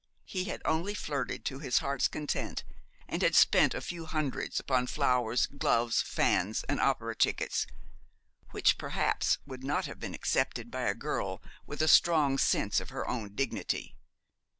He had only flirted to his heart's content, and had spent a few hundreds upon flowers, gloves, fans, and opera tickets, which perhaps would not have been accepted by a girl with a strong sense of her own dignity.'